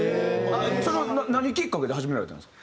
それは何きっかけで始められたんですか？